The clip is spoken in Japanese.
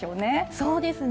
そうですね。